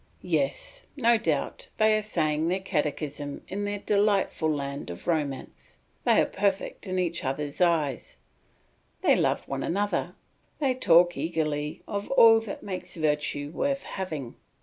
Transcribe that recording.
Yes, no doubt they are saying their catechism in their delightful land of romance; they are perfect in each other's eyes; they love one another, they talk eagerly of all that makes virtue worth having.